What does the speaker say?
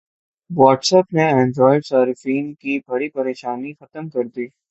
what's app نے Android صارفین کی بڑی پریشانی ختم کردی